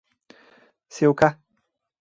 سیوکه: